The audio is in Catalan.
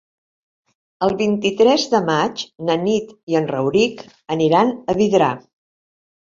El vint-i-tres de maig na Nit i en Rauric aniran a Vidrà.